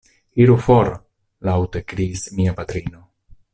Iru for! laŭte kriis mia patrino.